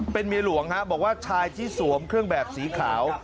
เป็นเมียหลวงฮะบอกว่าชายที่สวมเครื่องแบบสีขาว